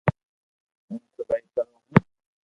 ھون سلائي ڪرو ھون